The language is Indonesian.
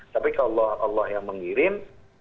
tapi kalau allah yang mengirim